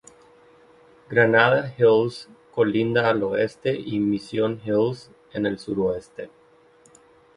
Granada Hills colinda al oeste y Mission Hills en el suroeste.